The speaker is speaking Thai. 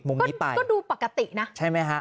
มุมนี้ไปก็ดูปกตินะใช่ไหมฮะ